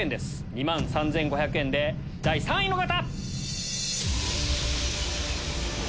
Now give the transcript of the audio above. ２万３５００円で第３位の方！